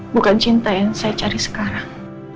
bukan cinta yang saya cari sekarang